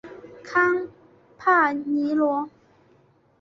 康帕尼昂。